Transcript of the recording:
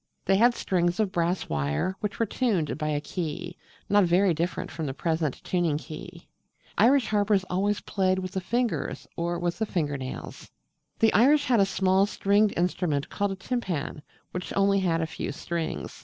They had strings of brass wire which were tuned by a key, not very different from the present tuning key. Irish harpers always played with the fingers or with the finger nails. The Irish had a small stringed instrument called a Timpan, which had only a few strings.